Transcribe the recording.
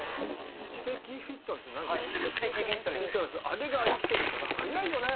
あれが生きてるから速いよね。